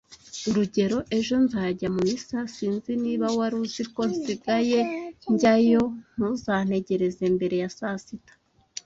Urugero Ejo nzajya mu misa sinzi niba wari uzi ko nsigaye njyayo ntuzantegereze mbere ya saa sita